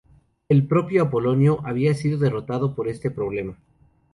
El propio Apolonio había sido derrotado por este problema.